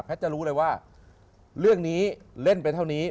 จะรู้เลยว่าเรื่องนี้เล่นไปเท่านี้